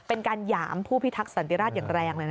เป็นการหยามผู้พิทักษณ์สถานที่ราชอย่างแรงเลย